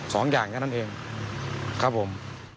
สองอย่างแค่นั้นเองครับผม